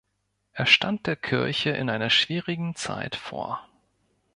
Er stand der Kirche in einer schwierigen Zeit vor.